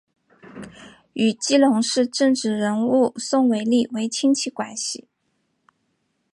与基隆市政治人物宋玮莉为亲戚关系。